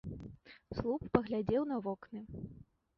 Слуп паглядзеў на вокны.